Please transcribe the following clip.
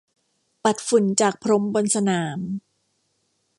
ปัดฝุ่นจากพรมบนสนาม